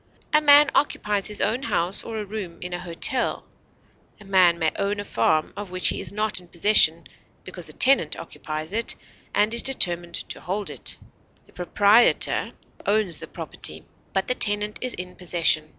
A man occupies his own house or a room in a hotel; a man may own a farm of which he is not in possession because a tenant occupies it and is determined to hold it; the proprietor owns the property, but the tenant is in possession.